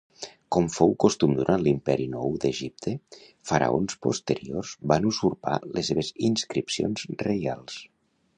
Com fou costum durant l'Imperi Nou d'Egipte, faraons posteriors van usurpar les seves inscripcions reials.